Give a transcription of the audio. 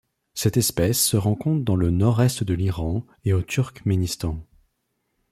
Cette espèce se rencontre dans le nord-est de l'Iran et au Turkménistan.